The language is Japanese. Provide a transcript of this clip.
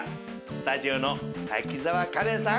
スタジオの滝沢カレンさん